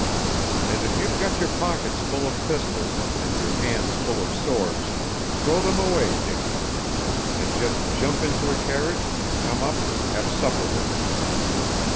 And if you've got your pockets full of pistols, and your hands full of swords, throw them away, Dicky, and just jump into a carriage and come up and have supper with me.